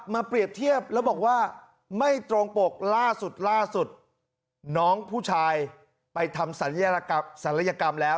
เปรียบเทียบแล้วบอกว่าไม่ตรงปกล่าสุดล่าสุดน้องผู้ชายไปทำศัลยกรรมแล้ว